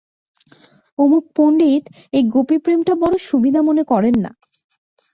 অমুক পণ্ডিত এই গোপীপ্রেমটা বড় সুবিধা মনে করেন না।